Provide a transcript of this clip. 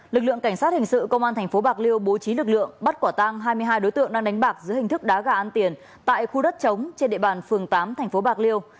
lực lượng cảnh sát hình sự công an thành phố bạc liêu bố trí lực lượng bắt quả tăng hai mươi hai đối tượng đang đánh bạc giữa hình thức đá gà ăn tiền tại khu đất trống trên địa bàn phường tám thành phố bạc liêu